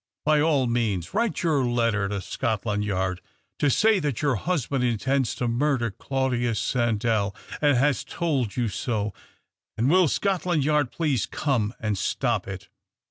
By ill means write your letter to Scotland Yard bo say that your husband intends to murder Jlaudius Sandell, and has told you so, and will "Scotland Yard please come and stop it.